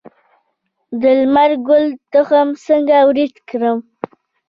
د لمر ګل تخم څنګه وریت کړم؟